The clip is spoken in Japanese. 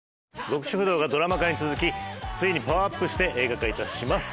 『極主夫道』がドラマ化に続きついにパワーアップして映画化いたします